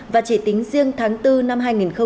và chỉ tính riêng tháng bốn năm hai nghìn hai mươi